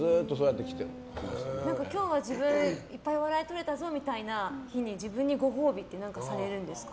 今日は自分いっぱい笑いとれたぞみたいな時に自分にご褒美って何かされるんですか？